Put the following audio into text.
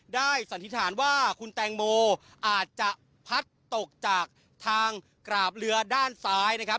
สันนิษฐานว่าคุณแตงโมอาจจะพัดตกจากทางกราบเรือด้านซ้ายนะครับ